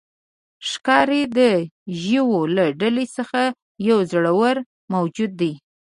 ښکاري د ژویو له ډلې څخه یو زړور موجود دی.